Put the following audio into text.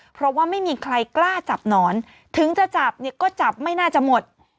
เพราะว่าไม่มีใครกล้าจับหนอนถึงจะจับเนี่ยก็จับไม่น่าจะหมด